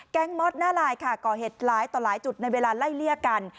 ม็อตหน้าลายค่ะก่อเหตุหลายต่อหลายจุดในเวลาไล่เลี่ยกัน